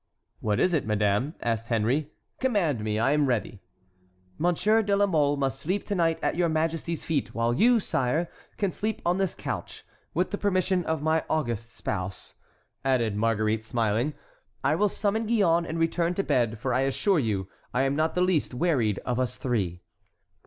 "What is it, madame?" asked Henry. "Command me, I am ready." "Monsieur de la Mole must sleep to night at your majesty's feet, while you, sire, can sleep on this couch. With the permission of my august spouse," added Marguerite, smiling, "I will summon Gillonne and return to bed, for I assure you I am not the least wearied of us three."